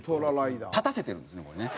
立たせてるんですねこれね。